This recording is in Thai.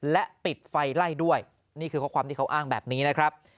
และปิดไฟไล่ด้วยนี่คือข้อความที่เขาอ้างแบบนี้นะครับ